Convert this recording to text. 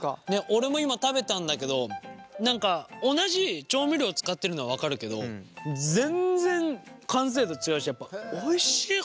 俺も今食べたんだけど何か同じ調味料使ってるのは分かるけど全然完成度違うしやっぱおいしい！